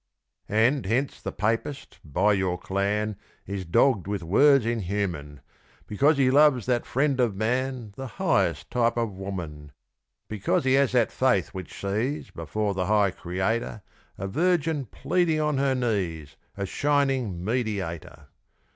And, hence the "Papist" by your clan Is dogged with words inhuman, Because he loves that friend of man The highest type of woman Because he has that faith which sees Before the high Creator A Virgin pleading on her knees A shining Mediator!